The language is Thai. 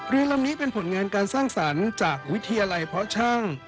ลำนี้เป็นผลงานการสร้างสรรค์จากวิทยาลัยเพาะช่าง